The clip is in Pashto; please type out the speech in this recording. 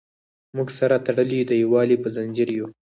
موږ سره تړلي د یووالي په زنځیر یو.